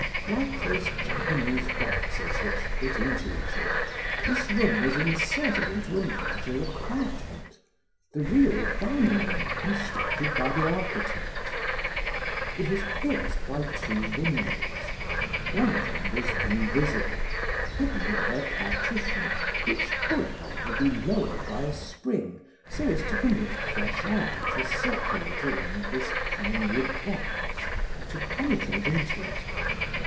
Like those Japanese boxes which fit into each other, this room was inserted in a larger apartment the real dining room constructed by the architect. It was pierced by two windows. One of them was invisible, hidden by a partition which could, however, be lowered by a spring so as to permit fresh air to circulate around this pinewood box and to penetrate into it.